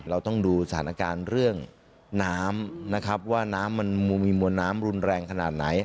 เราต้องดูสถานการณ์เรื่องน้ำนะครับว่าน้ำมันมีมวลน้ำรุนแรงขนาดไหน